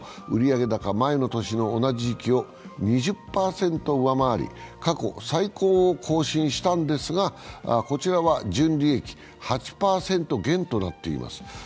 売上高、前の年の同じ時期を２０％上回り過去最高を更新したんですが、こちらは純利益８％減となっています。